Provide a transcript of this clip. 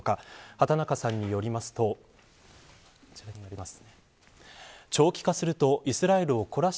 畑中さんによりますとこのようになっています。